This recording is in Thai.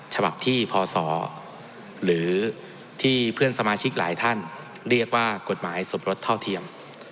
ฉบับที่พศหรือที่เพื่อนสมาชิกหลายท่านเรียกว่ากฎหมายสมรสเท่าเทียม